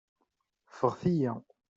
Ffeɣt-iyi.